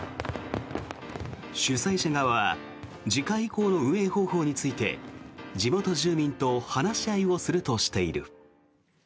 主催者側は次回以降の運営方法について地元住民と話し合いをするとしている。